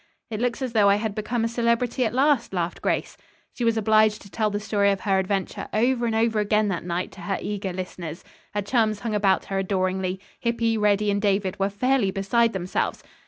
"It looks as though I had become a celebrity at last," laughed Grace. She was obliged to tell the story of her adventure over and over again that night to her eager listeners. Her chums hung about her adoringly. Hippy, Reddy and David were fairly beside themselves.